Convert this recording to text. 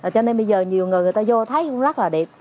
cho nên bây giờ nhiều người người ta vô thấy cũng rất là đẹp